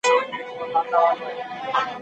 د ټولنپوهنې څېړنې ډېرې ګټورې دي.